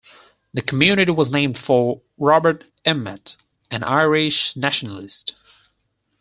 The community was named for Robert Emmet, an Irish nationalist.